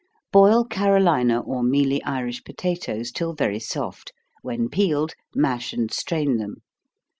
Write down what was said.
_ Boil Carolina or mealy Irish potatoes, till very soft when peeled, mash and strain them.